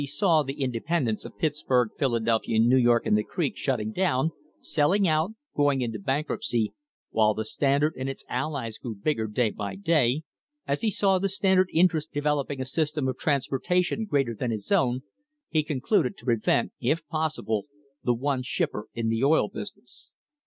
STRENGTHENING THE FOUNDATIONS the independents of Pittsburg, Philadelphia, New York and the creek, shutting down, selling out, going into bankruptcy, while the Standard and its allies grew bigger day by day, as he saw the Standard interest developing a system of trans portation greater than his own, he concluded to prevent, if possible, the one shipper in the oil business.